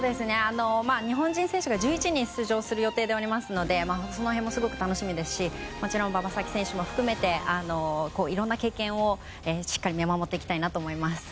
日本人選手が１１人出場する予定ですのでその辺もすごく楽しみですしもちろん馬場咲希選手も含めていろんな経験をしっかり見守っていきたいなと思います。